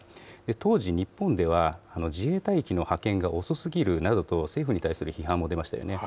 当時、日本では自衛隊機の派遣が遅すぎるなどと、政府に対する批判も出ましたよね。